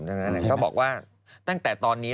ผมสั้นก็ตัดผมกันแล้วสาวก็ตัดผมตั้งแต่ตอนนี้